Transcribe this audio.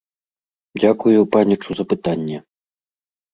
Дзякую, панічу, за пытанне!